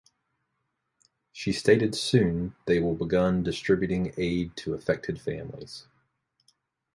She stated soon they will begun distributing aid to affected families.